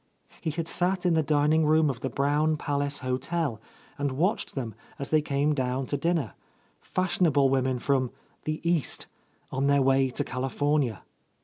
He had sat in the dining room of the Brown Palace hotel and watched them as they came down to dinner, — fashionable women from "the East," on their way to Cali fornia.